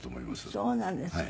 そうなんですか。